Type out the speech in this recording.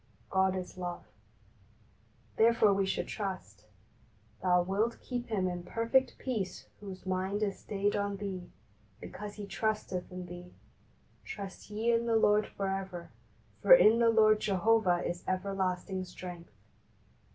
"God is love," therefore we should trust. "Thou wilt keep him in perfect peace whose mind is stayed on Thee, because he trusteth in Thee. Trust ye in the Lord for ever; for in the Lord Jehovah is everlasting strength."